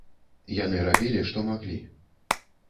Яны рабілі, што маглі.